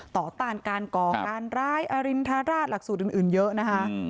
ต้านการก่อการร้ายอรินทราชหลักสูตรอื่นเยอะนะคะ